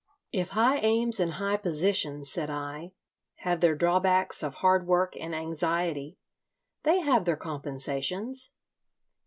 "If high aims and high positions," said I, "have their drawbacks of hard work and anxiety, they have their compensations.